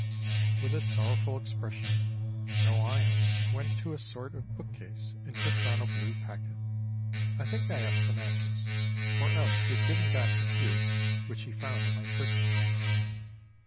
With a sorrowful expression Noyon went to a sort of bookcase and took down a blue packet. I think I asked for matches, or else he had given back the few which he found on my person.